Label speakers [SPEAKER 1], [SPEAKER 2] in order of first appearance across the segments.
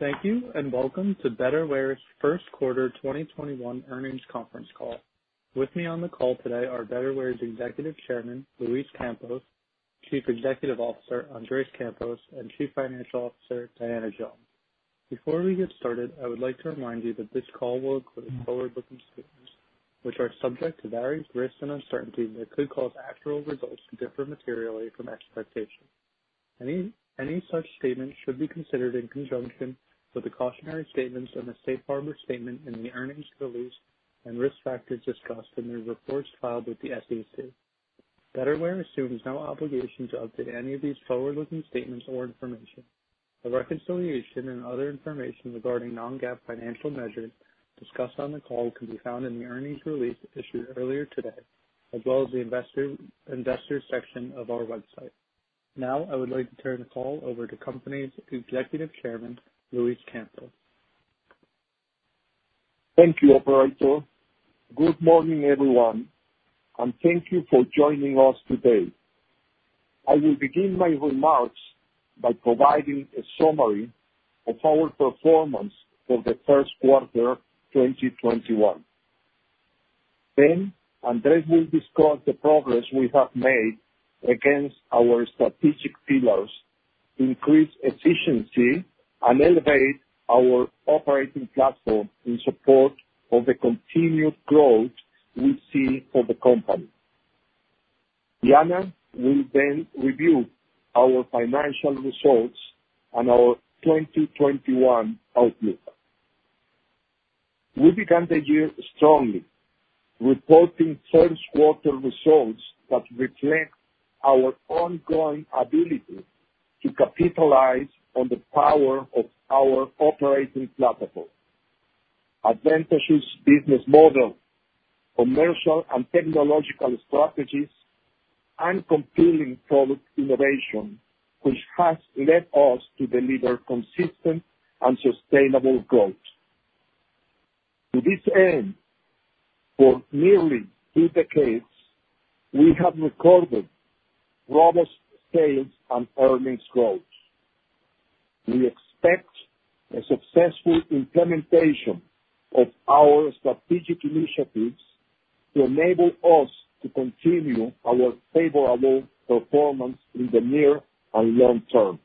[SPEAKER 1] Thank you, and welcome to Betterware's First Quarter 2021 Earnings Conference Call. With me on the call today are Betterware's Executive Chairman, Luis Campos, Chief Executive Officer, Andrés Campos, and Chief Financial Officer, Diana Jones. Before we get started, I would like to remind you that this call will include forward-looking statements, which are subject to various risks and uncertainties that could cause actual results to differ materially from expectations. Any such statements should be considered in conjunction with the cautionary statements and the safe harbor statement in the earnings release and risk factors discussed in the reports filed with the SEC. Betterware assumes no obligation to update any of these forward-looking statements or information. A reconciliation and other information regarding non-GAAP financial measures discussed on the call can be found in the earnings release issued earlier today, as well as the investor section of our website. Now, I would like to turn the call over to the company's Executive Chairman, Luis Campos.
[SPEAKER 2] Thank you, operator. Good morning, everyone, and thank you for joining us today. I will begin my remarks by providing a summary of our performance for the first quarter 2021. Andrés will discuss the progress we have made against our strategic pillars to increase efficiency and elevate our operating platform in support of the continued growth we see for the company. Diana will review our financial results and our 2021 outlook. We began the year strongly, reporting first quarter results that reflect our ongoing ability to capitalize on the power of our operating platform, advantageous business model, commercial and technological strategies, and compelling product innovation, which has led us to deliver consistent and sustainable growth. To this end, for nearly two decades, we have recorded robust sales and earnings growth. We expect a successful implementation of our strategic initiatives to enable us to continue our favorable performance in the near and long term.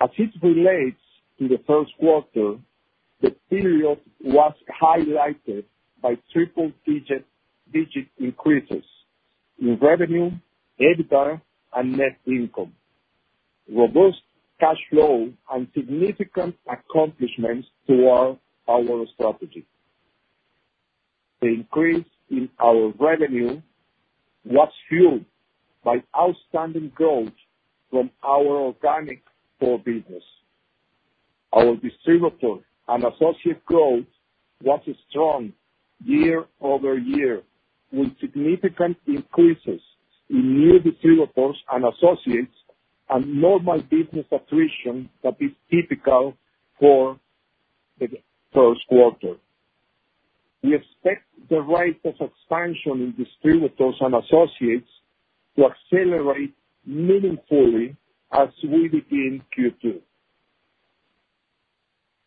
[SPEAKER 2] As this relates to the first quarter, the period was highlighted by triple-digit increases in revenue, EBITDA, and net income, robust cash flow, and significant accomplishments toward our strategy. The increase in our revenue was fueled by outstanding growth from our organic core business. Our distributor and associate growth was strong year-over-year, with significant increases in new distributors and associates and normal business attrition that is typical for the first quarter. We expect the rate of expansion in distributors and associates to accelerate meaningfully as we begin Q2.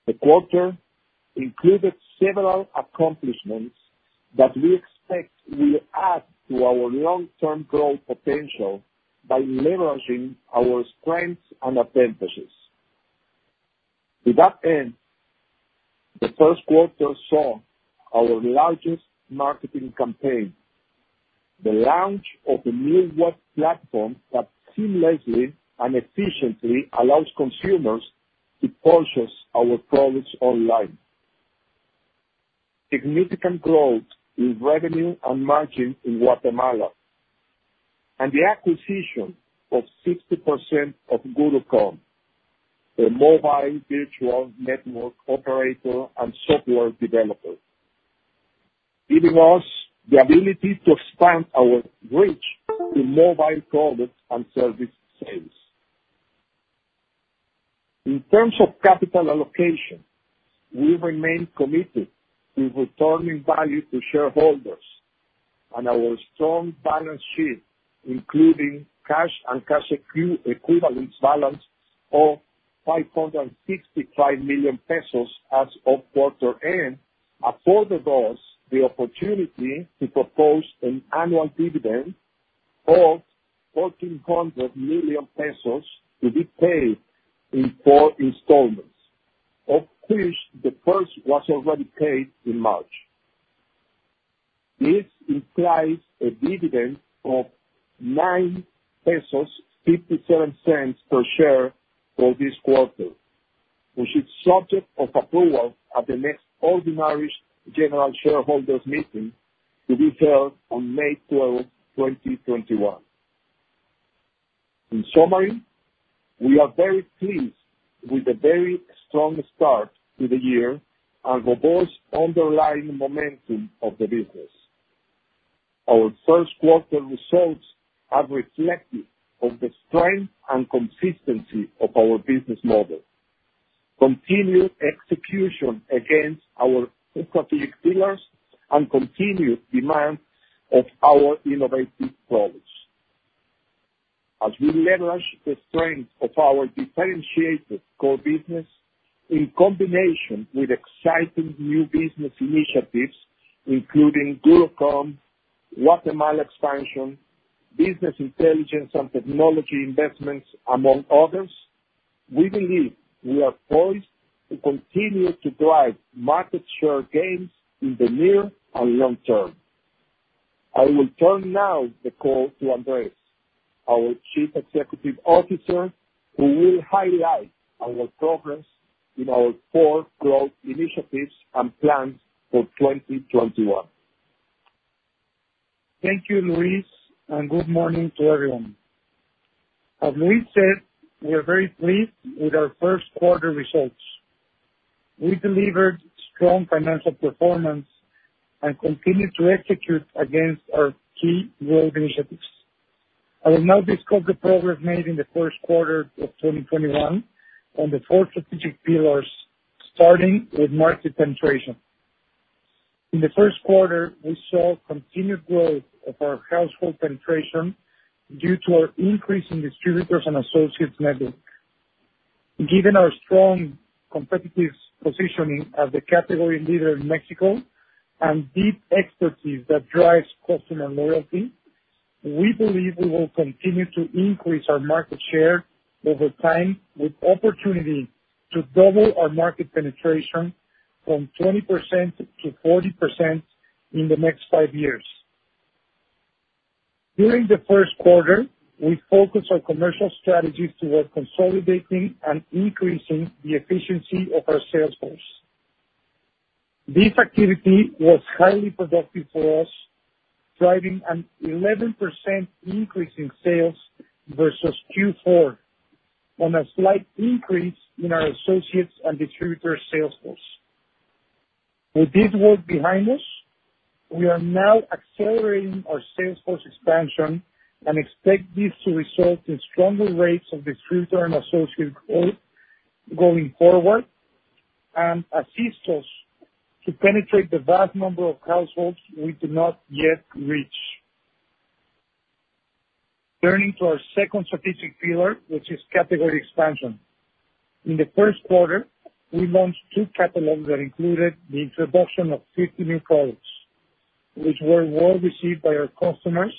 [SPEAKER 2] The quarter included several accomplishments that we expect will add to our long-term growth potential by leveraging our strengths and advantages. To that end, the first quarter saw our largest marketing campaign, the launch of a new web platform that seamlessly and efficiently allows consumers to purchase our products online, significant growth in revenue and margin in Guatemala, and the acquisition of 60% of GurúComm, a mobile virtual network operator and software developer, giving us the ability to expand our reach to mobile products and service sales. In terms of capital allocation, we remain committed to returning value to shareholders and our strong balance sheet, including cash and cash equivalents balance of 565 million pesos as of quarter end, afforded us the opportunity to propose an annual dividend of 1,400 million pesos to be paid in four installments, of which the first was already paid in March. This implies a dividend of 9.57 pesos per share for this quarter, which is subject of approval at the next ordinary general shareholders' meeting to be held on May 12, 2021. In summary, we are very pleased with the very strong start to the year and robust underlying momentum of the business. Our first quarter results are reflective of the strength and consistency of our business model. Continued execution against our strategic pillars and continued demand of our innovative products. As we leverage the strength of our differentiated core business in combination with exciting new business initiatives, including GurúComm, Guatemala expansion, business intelligence and technology investments, among others, we believe we are poised to continue to drive market share gains in the near and long term. I will turn now the call to Andrés, our Chief Executive Officer, who will highlight our progress in our core growth initiatives and plans for 2021.
[SPEAKER 3] Thank you, Luis, and good morning to everyone. As Luis said, we are very pleased with our first quarter results. We delivered strong financial performance and continued to execute against our key growth initiatives. I will now discuss the progress made in the first quarter of 2021 on the four strategic pillars, starting with market penetration. In the first quarter, we saw continued growth of our household penetration due to our increase in distributors and associates network. Given our strong competitive positioning as a category leader in Mexico and deep expertise that drives customer loyalty, we believe we will continue to increase our market share over time, with opportunity to double our market penetration from 20% to 40% in the next five years. During the first quarter, we focused our commercial strategies toward consolidating and increasing the efficiency of our sales force. This activity was highly productive for us, driving an 11% increase in sales versus Q4 on a slight increase in our associates and distributor sales force. With this work behind us, we are now accelerating our sales force expansion and expect this to result in stronger rates of distributor and associate growth going forward and assist us to penetrate the vast number of households we do not yet reach. Turning to our second strategic pillar, which is category expansion. In the first quarter, we launched two catalogs that included the introduction of 50 new products, which were well received by our customers,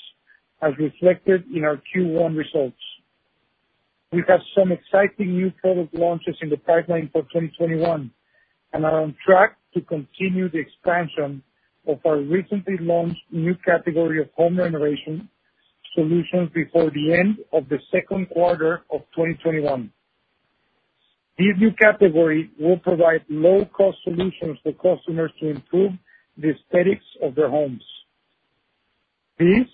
[SPEAKER 3] as reflected in our Q1 results. We have some exciting new product launches in the pipeline for 2021 and are on track to continue the expansion of our recently launched new category of home renovation solutions before the end of the second quarter of 2021. This new category will provide low-cost solutions for customers to improve the aesthetics of their homes. This,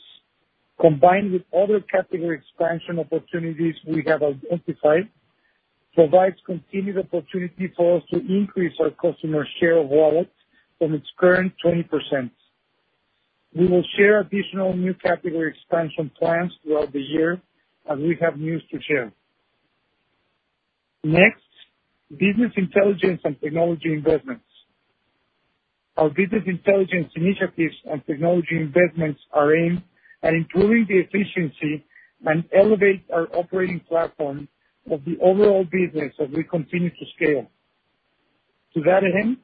[SPEAKER 3] combined with other category expansion opportunities we have identified, provides continued opportunity for us to increase our customer share of wallet from its current 20%. We will share additional new category expansion plans throughout the year as we have news to share. Next, business intelligence and technology investments. Our business intelligence initiatives and technology investments are aimed at improving the efficiency and elevate our operating platform of the overall business as we continue to scale. To that end,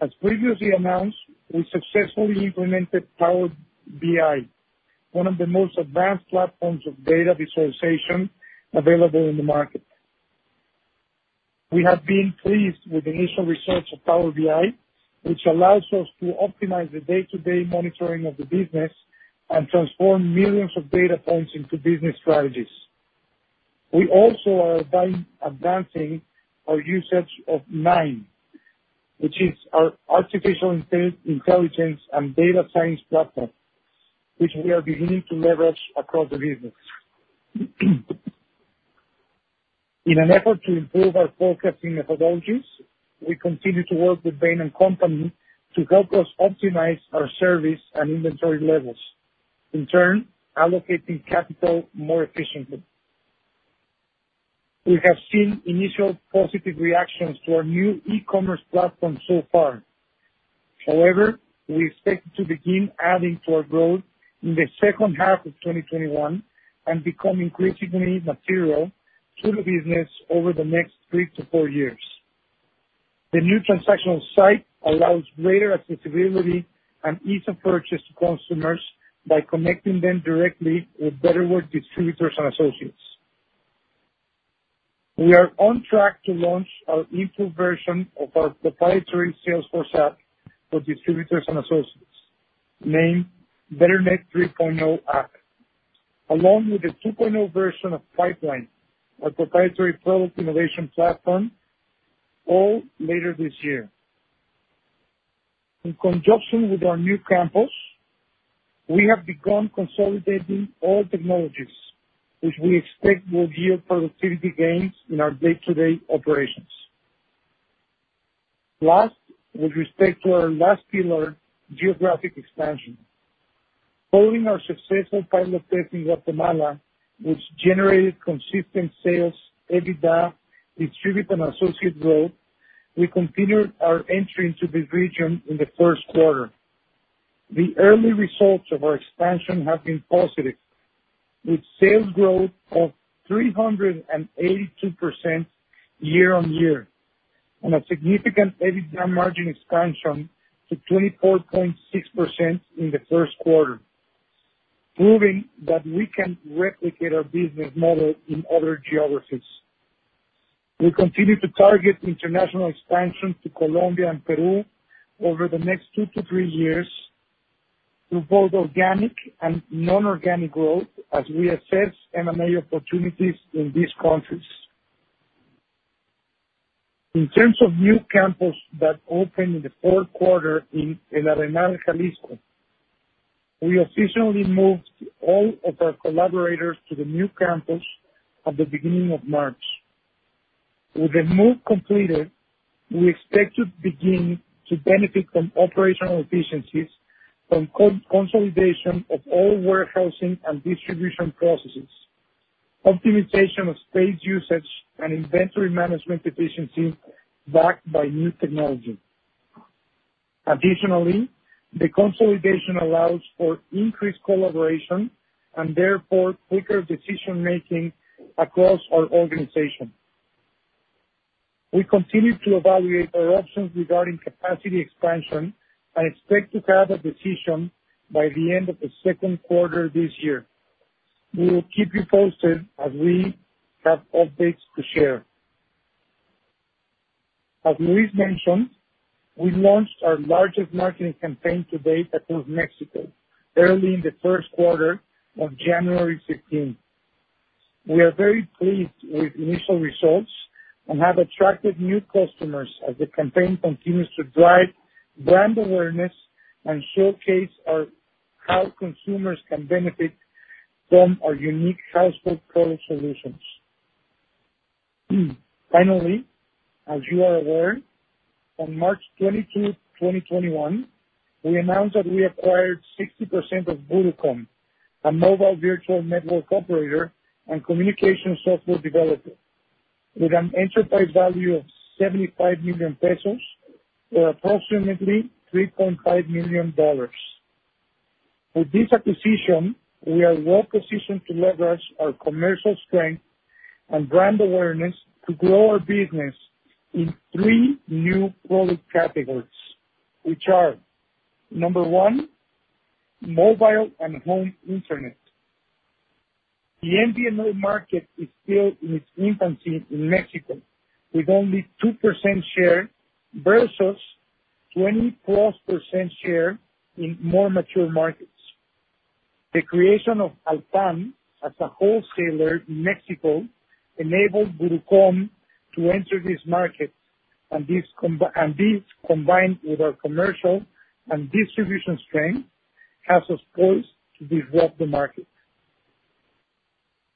[SPEAKER 3] as previously announced, we successfully implemented Power BI, one of the most advanced platforms of data visualization available in the market. We have been pleased with initial results of Power BI, which allows us to optimize the day-to-day monitoring of the business and transform millions of data points into business strategies. We also are advancing our usage of KNIME, which is our artificial intelligence and data science platform, which we are beginning to leverage across the business. In an effort to improve our forecasting methodologies, we continue to work with Bain & Company to help us optimize our service and inventory levels, in turn allocating capital more efficiently. We have seen initial positive reactions to our new e-commerce platform so far. However, we expect it to begin adding to our growth in the second half of 2021 and become increasingly material to the business over the next three to four years. The new transactional site allows greater accessibility and ease of purchase to consumers by connecting them directly with Betterware distributors and associates. We are on track to launch our improved version of our proprietary Salesforce app for distributors and associates, named Betternet 3.0 app, along with the 2.0 version of Pipeline, our proprietary product innovation platform, all later this year. In conjunction with our new campus, we have begun consolidating all technologies, which we expect will yield productivity gains in our day-to-day operations. Last, with respect to our last pillar, geographic expansion. Following our successful pilot test in Guatemala, which generated consistent sales, EBITDA, distributor, and associate growth, we continued our entry into the region in the first quarter. The early results of our expansion have been positive, with sales growth of 382% year-over-year, and a significant EBITDA margin expansion to 24.6% in the first quarter, proving that we can replicate our business model in other geographies. We continue to target international expansion to Colombia and Peru over the next two to three years through both organic and non-organic growth as we assess M&A opportunities in these countries. In terms of new campus that opened in the fourth quarter in El Arenal, Jalisco, we officially moved all of our collaborators to the new campus at the beginning of March. With the move completed, we expect to begin to benefit from operational efficiencies from consolidation of all warehousing and distribution processes, optimization of space usage, and inventory management efficiency backed by new technology. Additionally, the consolidation allows for increased collaboration and therefore quicker decision-making across our organization. We continue to evaluate our options regarding capacity expansion and expect to have a decision by the end of the second quarter this year. We will keep you posted as we have updates to share. As Luis mentioned, we launched our largest marketing campaign to date across Mexico early in the first quarter on January 15th. We are very pleased with initial results and have attracted new customers as the campaign continues to drive brand awareness and showcase how consumers can benefit from our unique household product solutions. Finally, as you are aware, on March 22nd, 2021, we announced that we acquired 60% of GurúComm, a mobile virtual network operator and communication software developer, with an enterprise value of 75 million pesos or approximately $3.5 million. With this acquisition, we are well-positioned to leverage our commercial strength and brand awareness to grow our business in three new product categories, which are, number one, mobile and home internet. The MVNO market is still in its infancy in Mexico, with only 2% share versus 20+% share in more mature markets. The creation of Altán as a wholesaler in Mexico enabled GurúComm to enter this market, and this, combined with our commercial and distribution strength, has us poised to disrupt the market.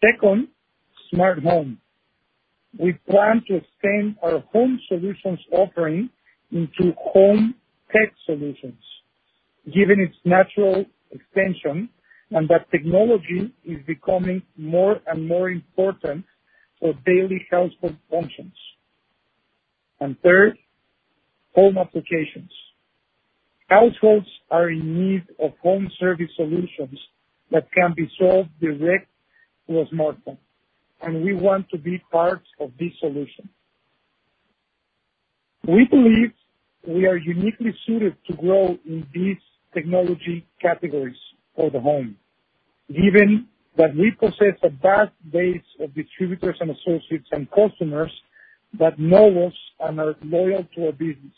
[SPEAKER 3] Second, smart home. We plan to extend our home solutions offering into home tech solutions, given its natural extension and that technology is becoming more and more important for daily household functions. Third, home applications. Households are in need of home service solutions that can be solved direct to a smartphone, and we want to be part of this solution. We believe we are uniquely suited to grow in these technology categories for the home, given that we possess a vast base of distributors and associates and customers that know us and are loyal to our business.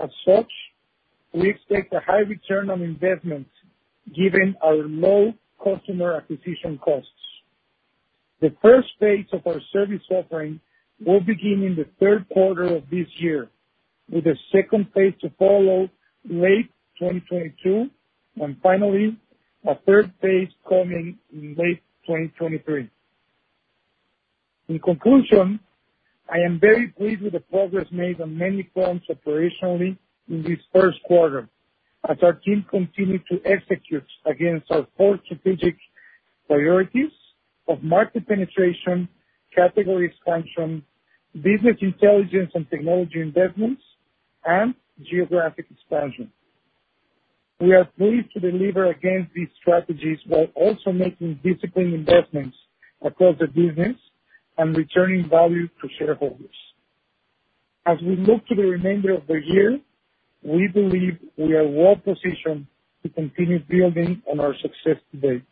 [SPEAKER 3] As such, we expect a high return on investment given our low customer acquisition costs. The first phase of our service offering will begin in the third quarter of this year, with a second phase to follow late 2022, and finally, a third phase coming in late 2023. In conclusion, I am very pleased with the progress made on many fronts operationally in this first quarter as our team continued to execute against our four strategic priorities of market penetration, category expansion, business intelligence and technology investments, and geographic expansion. We are pleased to deliver against these strategies while also making disciplined investments across the business and returning value to shareholders. As we look to the remainder of the year, we believe we are well-positioned to continue building on our success to date.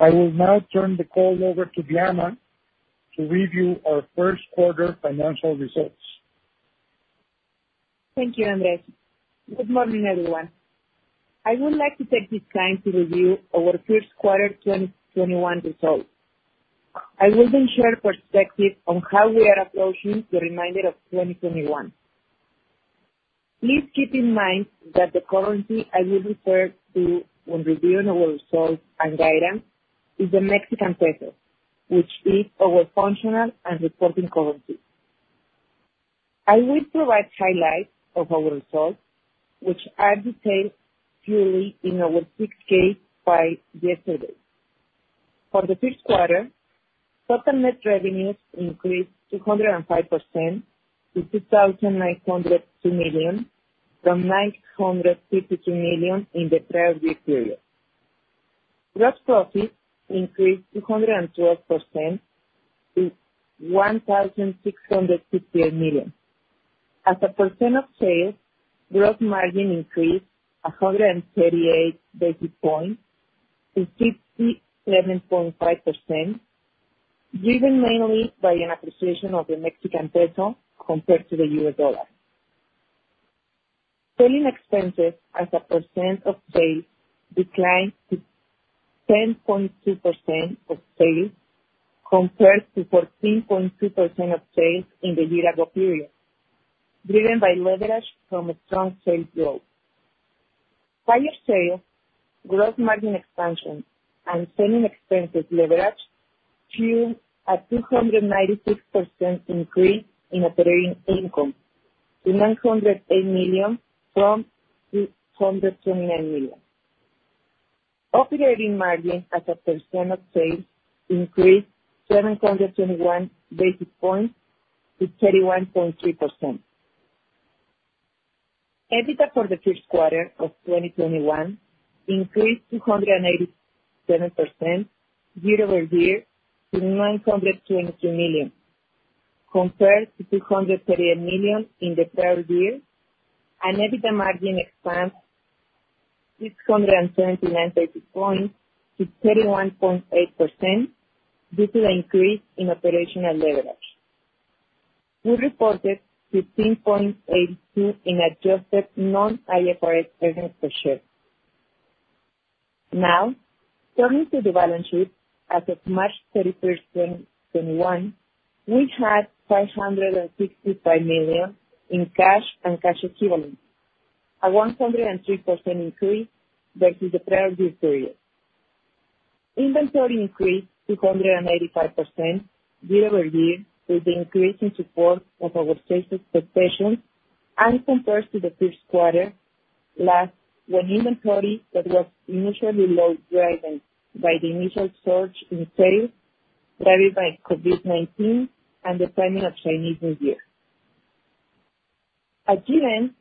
[SPEAKER 3] I will now turn the call over to Diana to review our first quarter financial results.
[SPEAKER 4] Thank you, Andrés. Good morning, everyone. I would like to take this time to review our first quarter 2021 results. I will share perspective on how we are approaching the remainder of 2021. Please keep in mind that the currency I will refer to when reviewing our results and guidance is the Mexican peso, which is our functional and reporting currency. I will provide highlights of our results, which are detailed fully in our 6-K filed yesterday. For the first quarter, total net revenues increased 205% to 2,902 million from 952 million in the prior year period. Gross profit increased 212% to 1,668 million. As a percent of sales, gross margin increased 138 basis points to 67.5%, driven mainly by an appreciation of the Mexican peso compared to the US dollar. Selling expenses as a percent of sales declined to 10.2% of sales compared to 14.2% of sales in the year-ago period, driven by leverage from a strong sales growth. Higher sales, gross margin expansion, and selling expenses leverage fueled a 296% increase in operating income to 908 million from 229 million. Operating margin as a percent of sales increased 721 basis points to 31.3%. EBITDA for the first quarter of 2021 increased 287% year-over-year to 922 million, compared to 238 million in the prior year, and EBITDA margin expands 679 basis points to 31.8% due to the increase in operational leverage. We reported 15.82 in adjusted non-IFRS earnings per share. Turning to the balance sheet, as of March 31st, 2021, we had 565 million in cash and cash equivalents, a 103% increase versus the prior year period. Inventory increased 285% year-over-year with the increase in support of our sales expectations and compared to the first quarter last, when inventory that was initially low, driven by the initial surge in sales driven by COVID-19 and the timing of Chinese New Year. At year-end,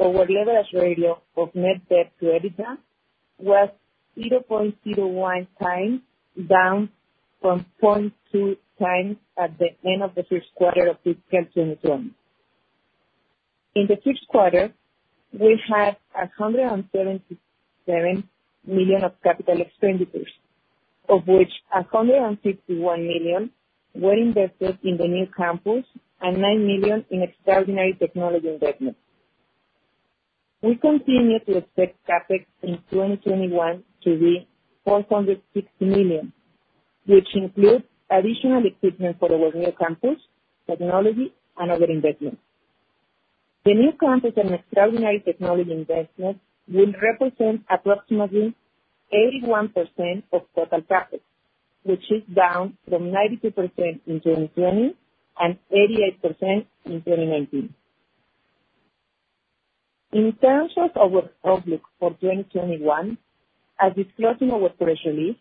[SPEAKER 4] our leverage ratio of net debt to EBITDA was 0.01x, down from 0.2x at the end of the first quarter of 2021. In the first quarter, we had 177 million of capital expenditures, of which 161 million were invested in the new campus and 9 million in extraordinary technology investments. We continue to expect CapEx in 2021 to be 460 million, which includes additional equipment for our new campus, technology, and other investments. The new campus and extraordinary technology investments will represent approximately 81% of total CapEx, which is down from 92% in 2020 and 88% in 2019. In terms of our outlook for 2021, as disclosed in our press release,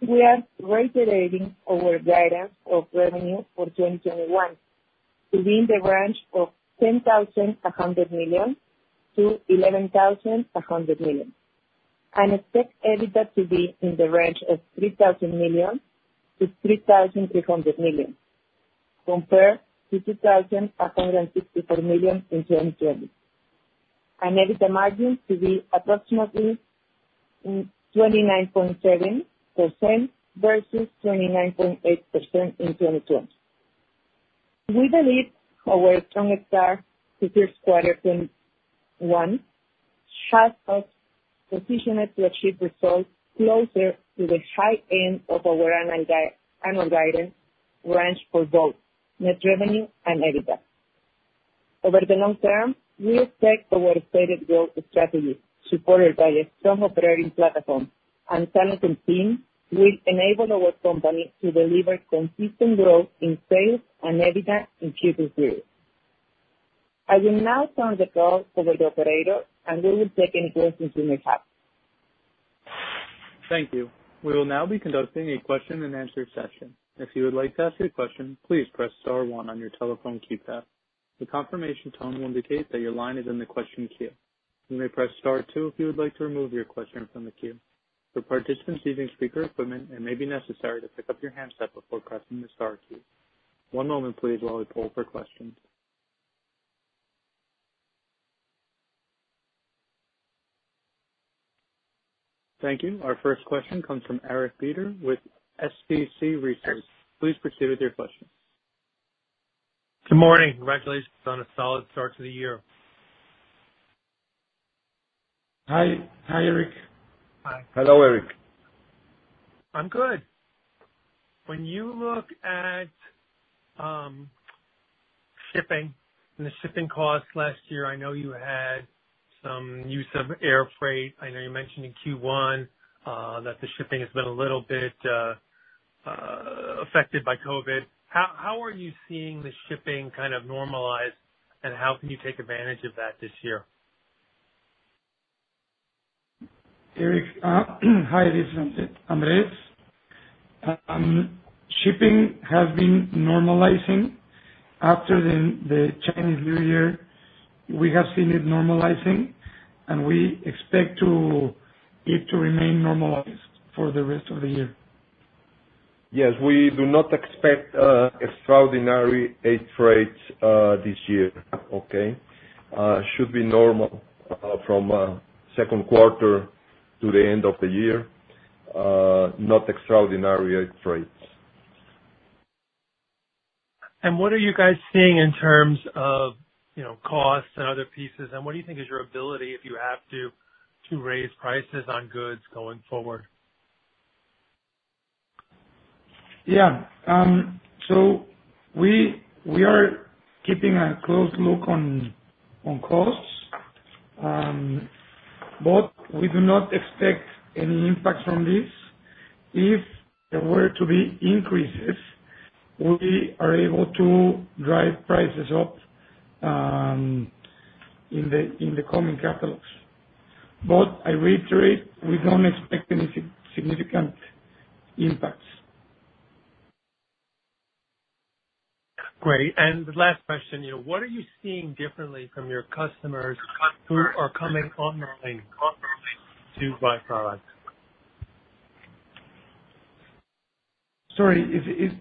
[SPEAKER 4] we are reiterating our guidance of revenue for 2021 to be in the range of 10,100 million-11,100 million, and expect EBITDA to be in the range of 3,000 million-3,300 million, compared to 2,164 million in 2020. EBITDA margins to be approximately 29.7% versus 29.8% in 2020. We believe our strong start to quarter in one has us positioned to achieve results closer to the high end of our annual guidance range for both net revenue and EBITDA. Over the long term, we expect our stated growth strategy supported by a strong operating platform and talented team will enable our company to deliver consistent growth in sales and EBITDA in future periods. I will now turn the call over to the operator and will take any questions you may have.
[SPEAKER 1] Thank you. We will now be conducting a question-and-answer session. If you would like to ask a question, please press star one on your telephone keypad. The confirmation tone will indicate that your line is in the question queue. You may press star two if you would like to remove your question from the queue. For participants using speaker equipment, it may be necessary to pick up your handset before pressing the star key. One moment please while we poll for questions. Thank you. Our first question comes from Eric Beder with SCC Research. Please proceed with your question.
[SPEAKER 5] Good morning. Congratulations on a solid start to the year.
[SPEAKER 3] Hi, Eric.
[SPEAKER 5] Hi.
[SPEAKER 2] Hello, Eric.
[SPEAKER 5] I'm good. When you look at shipping and the shipping costs ne year, I know you had some use of air freight. I know you mentioned in Q1 that the shipping has been a little bit affected by COVID. How are you seeing the shipping kind of normalize, and how can you take advantage of that this year?
[SPEAKER 3] Eric, hi, this is Andrés. Shipping has been normalizing after the Chinese New Year. We have seen it normalizing, and we expect it to remain normalized for the rest of the year.
[SPEAKER 2] Yes. We do not expect extraordinary air freight this year, okay? Should be normal from second quarter to the end of the year. Not extraordinary air freights.
[SPEAKER 5] what are you guys seeing in terms of costs and other pieces, and what do you think is your ability, if you have to raise prices on goods going forward?
[SPEAKER 3] Yeah. We are keeping a close look on costs. We do not expect any impact from this. If there were to be increases, we are able to drive prices up in the coming catalogs. I reiterate, we don't expect any significant impacts.
[SPEAKER 5] Great. The last question. What are you seeing differently from your customers who are coming online to buy products?
[SPEAKER 3] Sorry,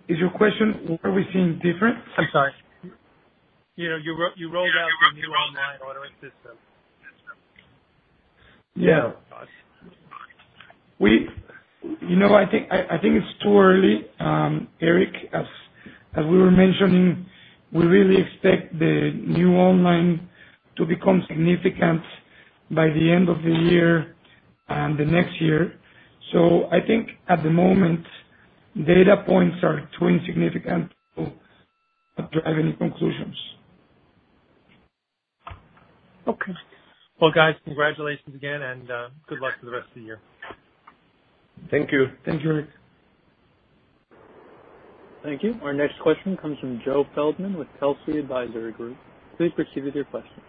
[SPEAKER 3] is your question what are we seeing different?
[SPEAKER 5] I'm sorry. You rolled out your new online ordering system.
[SPEAKER 3] Yeah. I think it's too early, Eric. As we were mentioning, we really expect the new online to become significant by the end of the year and the next year. I think at the moment, data points are too insignificant to drive any conclusions.
[SPEAKER 5] Okay. Well, guys, congratulations again, and good luck for the rest of the year.
[SPEAKER 2] Thank you.
[SPEAKER 3] Thanks, Eric.
[SPEAKER 1] Thank you. Our next question comes from Joe Feldman with Telsey Advisory Group. Please proceed with your question.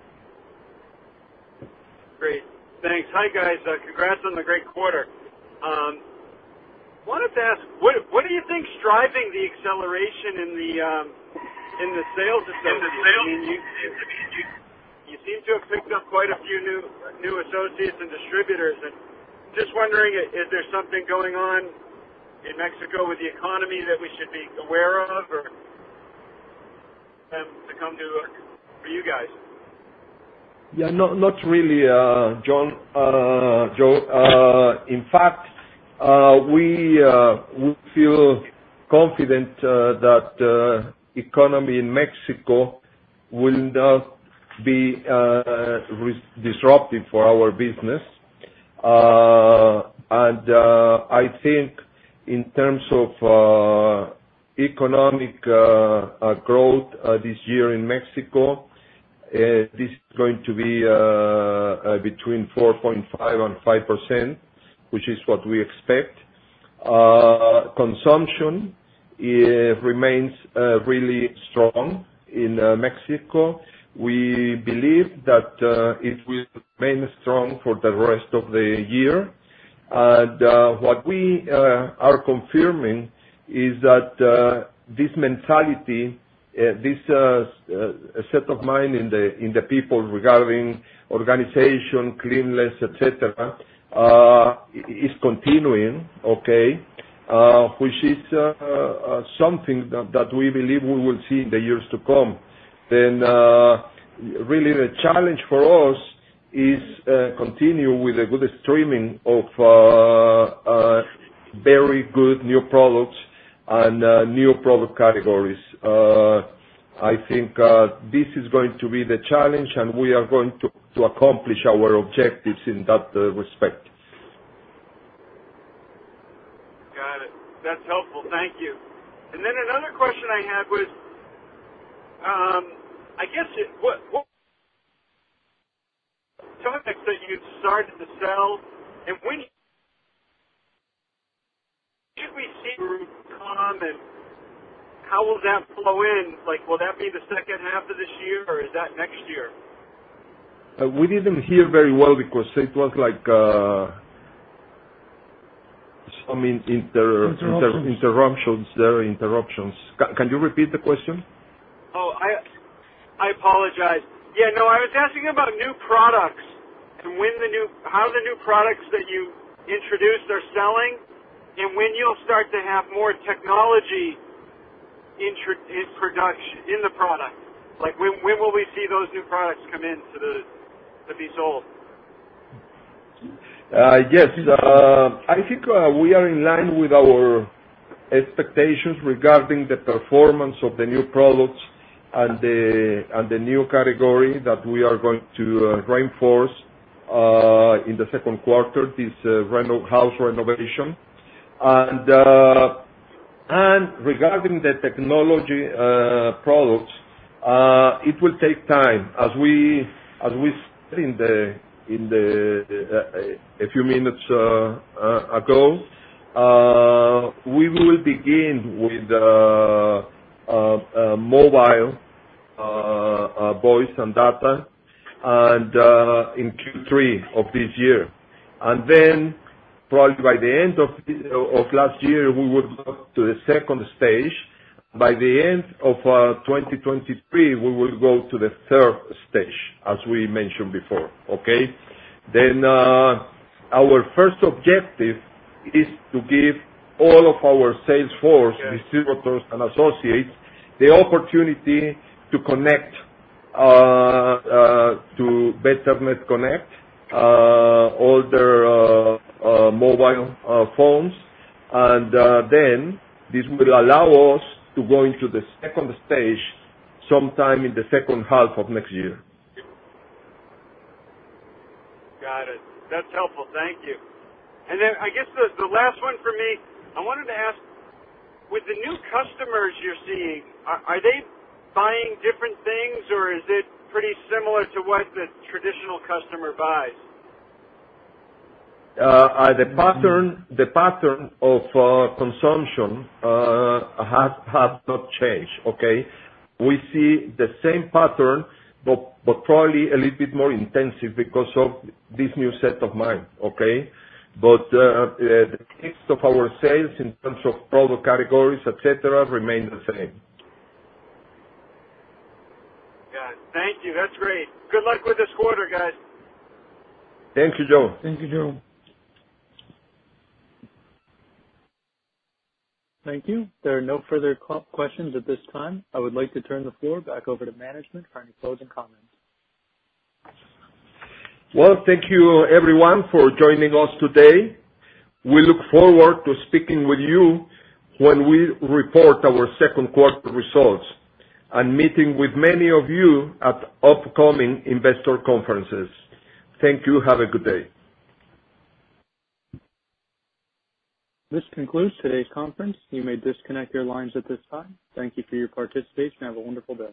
[SPEAKER 6] Great. Thanks. Hi, guys. Congrats on the great quarter. Wanted to ask, what do you think is driving the acceleration in the sales associates? You seem to have picked up quite a few new associates and distributors. Just wondering if there's something going on in Mexico with the economy that we should be aware of or for them to come to work for you guys.
[SPEAKER 2] Yeah. Not really, Joe. In fact, we feel confident that the economy in Mexico will not be disruptive for our business. I think in terms of economic growth this year in Mexico, this is going to be between 4.5% and 5%, which is what we expect. Consumption remains really strong in Mexico. We believe that it will remain strong for the rest of the year. What we are confirming is that this mentality, this set of mind in the people regarding organization, cleanliness, et cetera, is continuing, okay? Which is something that we believe we will see in the years to come. Really, the challenge for us is continue with the good streaming of very good new products and new product categories. I think this is going to be the challenge, and we are going to accomplish our objectives in that respect.
[SPEAKER 6] Got it. That's helpful. Thank you. another question I had was, I guess what topics that you've started to sell and when should we see them come and how will that flow in? Will that be the second half of this year or is that next year?
[SPEAKER 2] We didn't hear very well because it was like some inter
[SPEAKER 3] Interruptions.
[SPEAKER 2] Interruptions there. Can you repeat the question?
[SPEAKER 6] Oh, I apologize. Yeah, no, I was asking about new products and how the new products that you introduced are selling and when you'll start to have more technology in the product. When will we see those new products come in to be sold?
[SPEAKER 2] Yes. I think we are in line with our expectations regarding the performance of the new products and the new category that we are going to reinforce in the second quarter, this house renovation. Regarding the technology products, it will take time. As we said a few minutes ago, we will begin with mobile voice and data in Q3 of this year. Probably by the end of last year, we will go to the second stage. By the end of 2023, we will go to the third stage, as we mentioned before. Okay? Our first objective is to give all of our sales force, distributors, and associates, the opportunity to connect to Betterware Connect, all their mobile phones. This will allow us to go into the second stage sometime in the second half of next year.
[SPEAKER 6] Got it. That's helpful. Thank you. I guess the last one from me, I wanted to ask, with the new customers you're seeing, are they buying different things, or is it pretty similar to what the traditional customer buys?
[SPEAKER 2] The pattern of consumption has not changed. Okay? We see the same pattern, but probably a little bit more intensive because of this new set of mind. Okay? The case of our sales in terms of product categories, et cetera, remain the same.
[SPEAKER 6] Got it. Thank you. That's great. Good luck with this quarter, guys.
[SPEAKER 2] Thank you, Joe.
[SPEAKER 3] Thank you, Joe.
[SPEAKER 1] Thank you. There are no further questions at this time. I would like to turn the floor back over to management for any closing comments.
[SPEAKER 2] Well, thank you, everyone, for joining us today. We look forward to speaking with you when we report our second quarter results and meeting with many of you at upcoming investor conferences. Thank you. Have a good day.
[SPEAKER 1] This concludes today's conference. You may disconnect your lines at this time. Thank you for your participation. Have a wonderful day.